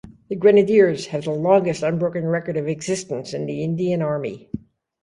The Grenadiers have the longest unbroken record of existence in the Indian Army.